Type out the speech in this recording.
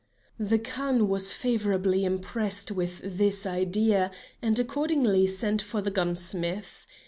The Khan was favorably impressed with this idea, and accordingly sent for the gunsmith.